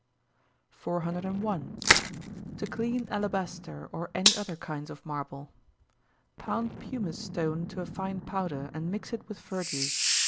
401. To clean Alabaster, or any other kinds of Marble. Pound pumice stone to a fine powder, and mix it with verjuice.